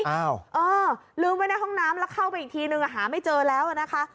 เออลืมไว้ในห้องน้ำแล้วเข้าไปอีกทีนึงหาไม่เจอแล้วนะคะ